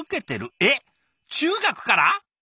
えっ中学から？